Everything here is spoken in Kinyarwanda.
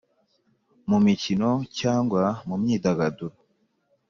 Mu mikino cyangwa mu myidagaduro